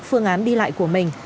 phương án đi lại của mình